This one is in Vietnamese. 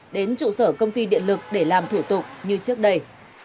đến trụ sở công ty điện lực để làm thủ tục như trước đây